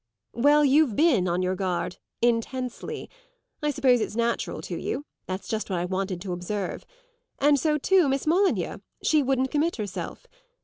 "Well, you've been on your guard intensely. I suppose it's natural to you; that's just what I wanted to observe. And so, too, Miss Molyneux she wouldn't commit herself.